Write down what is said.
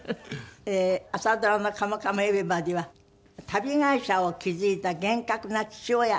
朝ドラの『カムカムエヴリバディ』は足袋会社を築いた厳格な父親。